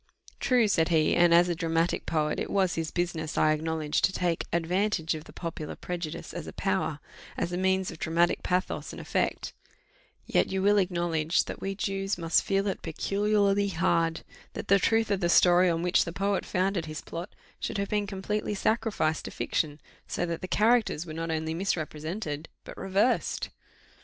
"True," said he; "and as a dramatic poet, it was his business, I acknowledge, to take advantage of the popular prejudice as a power as a means of dramatic pathos and effect; yet you will acknowledge that we Jews must feel it peculiarly hard, that the truth of the story on which the poet founded his plot should have been completely sacrificed to fiction, so that the characters were not only misrepresented, but reversed."